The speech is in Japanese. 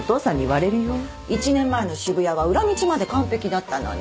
１年前の渋谷は裏道まで完璧だったのに。